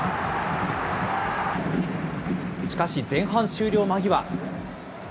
しかし前半終了間際。